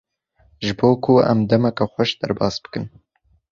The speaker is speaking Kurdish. Ji bo ku em demeke xweş derbas bikin.